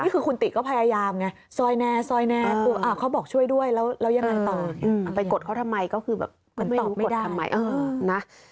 คือขุนตีก็พยายามง่ะ